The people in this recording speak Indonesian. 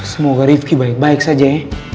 semoga rifki baik baik saja ya